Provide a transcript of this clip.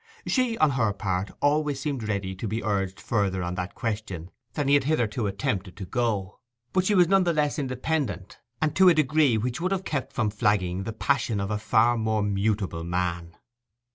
She, on her part, always seemed ready to be urged further on that question than he had hitherto attempted to go; but she was none the less independent, and to a degree which would have kept from flagging the passion of a far more mutable man.